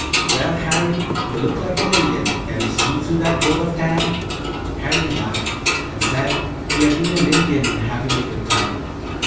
Well, Harry, you look like an Indian. Can you see through that coat of tan?" Harry laughed and said he had been an Indian in having a good time.